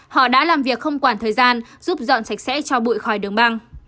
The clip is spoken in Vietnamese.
họ đã làm việc không quản thời gian giúp dọn sạch sẽ cho bụi khỏi đường băng